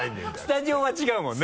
スタジオは違うもんね。